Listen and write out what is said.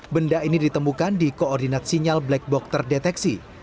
benda ini ditemukan di koordinat sinyal black box terdeteksi